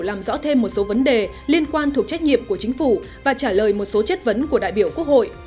làm rõ thêm một số vấn đề liên quan thuộc trách nhiệm của chính phủ và trả lời một số chất vấn của đại biểu quốc hội